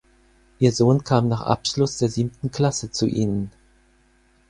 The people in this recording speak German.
Ihr Sohn kam nach Abschluss der siebten Klasse zu ihnen.